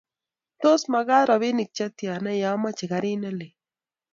tos mekat robinik che tyana yaameche karit ne lele?